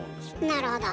なるほど。